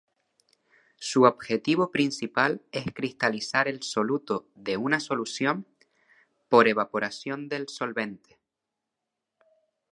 Su objetivo principal es cristalizar el soluto de una solución, por evaporación del solvente.